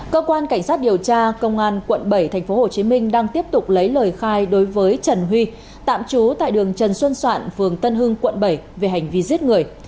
cơ quan cảnh sát điều tra công an quận bảy tp hcm đang tiếp tục lấy lời khai đối với trần huy tạm trú tại đường trần xuân soạn phường tân hưng quận bảy về hành vi giết người